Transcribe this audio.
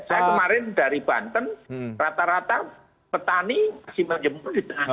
saya kemarin dari banten rata rata petani masih menjemur di sana